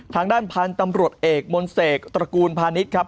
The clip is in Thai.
ทางด้านพันธุ์ตำรวจเอกมนเสกตระกูลพาณิชย์ครับ